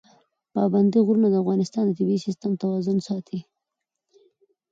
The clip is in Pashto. پابندي غرونه د افغانستان د طبعي سیسټم توازن ساتي.